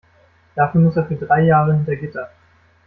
Dafür muss er für drei Jahre hinter Gitter.